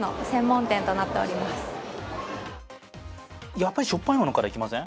やっぱりしょっぱいものからいきません？